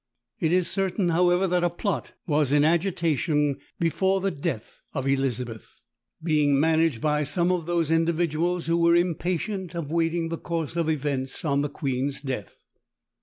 It is certain, however, that a plot was in agitation before the death of Elizabeth, being managed by some of those individuals who were impatient of waiting the course of events on the queen's death.